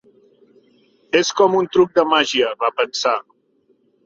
"És com un truc de màgia", va pensar.